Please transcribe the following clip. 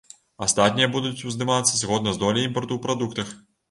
Астатнія будуць уздымацца згодна з доляй імпарту ў прадуктах.